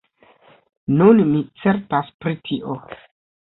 Nun mi certas pri tio.